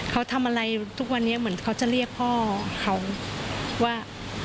เขาทำอะไรทุกวันนี้เหมือนเขาจะเรียกพ่อเขาว่า